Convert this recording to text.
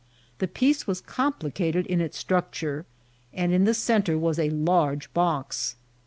The piece was complicated in its structure, and in the centre was a large box.